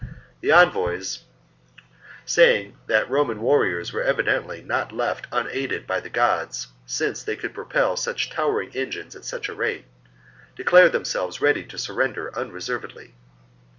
The render, envoys, saying that Roman warriors were evi dently not left unaided by the gods, since they could propel such towering engines at such a rate, declared themselves ready to surrender unreservedly.